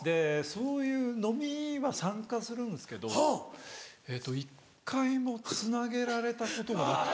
そういう飲みは参加するんですけど１回もつなげられたことがなくて。